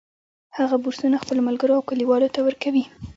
هغه بورسونه خپلو ملګرو او کلیوالو ته ورکوي